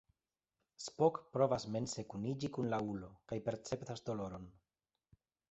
Spock provas mense kuniĝi kun la ulo, kaj perceptas doloron.